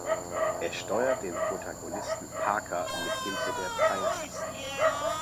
Er steuert den Protagonisten Parker mit Hilfe der Pfeiltasten.